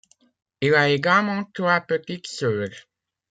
Il a également trois petites sœurs.